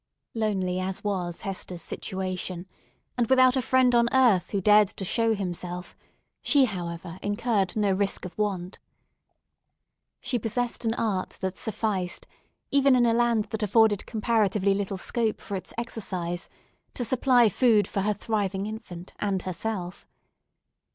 Lonely as was Hester's situation, and without a friend on earth who dared to show himself, she, however, incurred no risk of want. She possessed an art that sufficed, even in a land that afforded comparatively little scope for its exercise, to supply food for her thriving infant and herself.